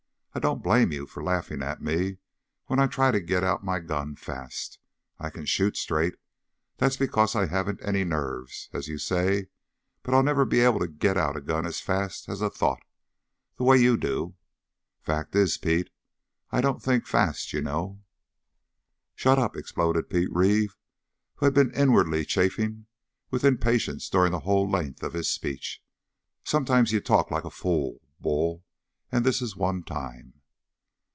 I don't blame you for laughing at me when I try to get out my gun fast. I can shoot straight. That's because I haven't any nerves, as you say, but I'll never be able to get out a gun as fast as a thought the way you do. Fact is, Pete, I don't think fast, you know." "Shut up!" exploded Pete Reeve, who had been inwardly chafing with impatience during the whole length of this speech. "Sometimes you talk like a fool, Bull, and this is one time!"